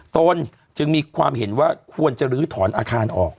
ตนจึงมีความเห็นว่าควรจะลื้อถอนอาคารออก